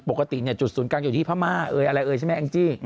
ปกติจุดศูนย์กลางอยู่ที่พม่าอะไรใช่ไหมแอ้งจิ